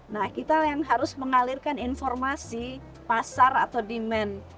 nah kita yang harus mengalirkan informasi pasar atau demand